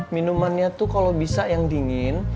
minumannya tuh kalau bisa yang dingin